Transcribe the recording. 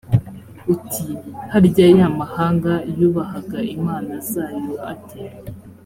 uti «harya, ya mahanga yubahaga imana zayo ate?,